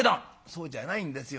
「そうじゃないんですよ。